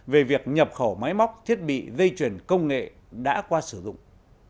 về việc nhập khẩu máy móc thiết bị dây chuyển công nghệ đã qua sử dụng